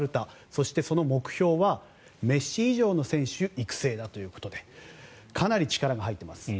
そしてその目標はメッシ以上の選手育成だということでかなり力が入っています。